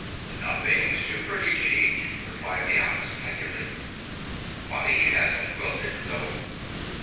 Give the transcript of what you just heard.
"Nothing's too pretty to eat," replied the Ox plaintively. "Funny it hasn't wilted, though."